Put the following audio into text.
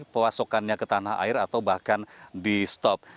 pemasokannya ke tanah air atau bahkan di stop